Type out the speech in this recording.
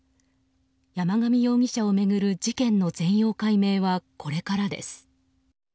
山上容疑者を巡る事件の全容解明はこれからです。